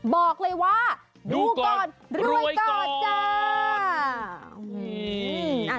บอกเลยว่าดูก่อนรวยก่อนจ้า